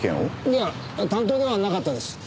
いや担当ではなかったです。